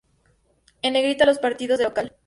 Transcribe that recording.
En Negrita los partidos de local.